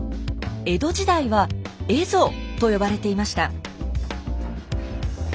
江戸時代は「蝦夷」と呼ばれていました。